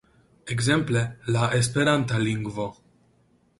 Ekzemple, la esperanta lingvo.